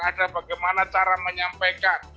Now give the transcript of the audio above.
ada bagaimana cara menyampaikan